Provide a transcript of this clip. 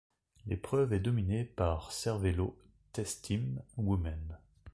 L'épreuve est dominée par Cervélo TestTeam Women.